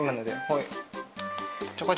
はい。